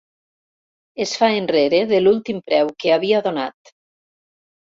Es fa enrere de l'últim preu que havia donat.